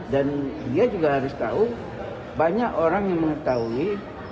dan dia juga harus tahu banyak orang yang mengetahui